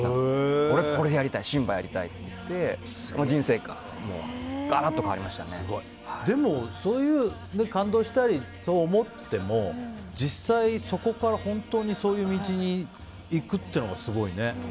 俺、これやりたいシンバやりたいって言ってでも、そういう感動したりそう思っても実際そこから本当にそういう道に行くってのがすごいね。